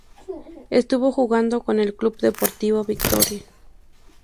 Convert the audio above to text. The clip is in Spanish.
Estuvo jugando con el Club Deportivo Victoria.